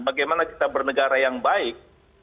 bagaimana kita bernegara yang baik